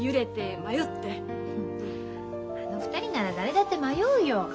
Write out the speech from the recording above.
あの２人なら誰だって迷うよ。